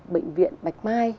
bệnh viện bạch mai